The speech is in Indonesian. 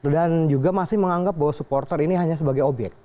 dan juga masih menganggap bahwa supporter ini hanya sebagai objek